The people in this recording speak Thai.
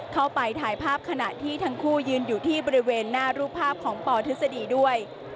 เข้าไปถ่ายภาพขณะที่ทั้งคู่ยืนอยู่ที่บริเวณหน้ารูปภาพของปทฤษฎีด้วย